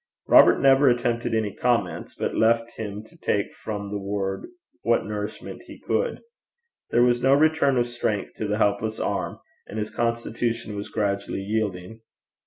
Robert never attempted any comments, but left him to take from the word what nourishment he could. There was no return of strength to the helpless arm, and his constitution was gradually yielding.